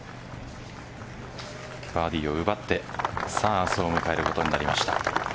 バーディーを奪って明日を迎えることになりました。